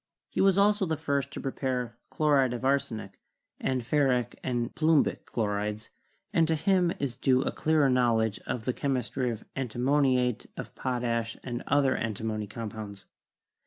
He was also the first to prepare chlo ride of arsenic, and ferric and plumbic chlorides, and to him is due a clearer knowledge of the chemistry of anti moniate of potash and other antimony compounds.